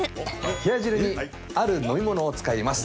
冷や汁にある飲み物を使います。